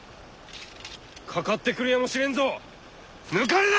かかってくるやもしれんぞ抜かるな！